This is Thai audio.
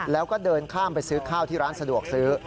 และเริ่มเข้ามไปซื้อข้าวที่ร้านสะดวกซื้อ